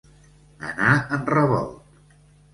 Anar en revolt.